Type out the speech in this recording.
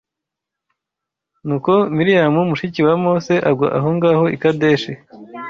Nuko Miriyamu mushiki wa Mose agwa aho ngaho i Kadeshi